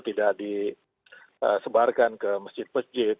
tidak disebarkan ke masjid masjid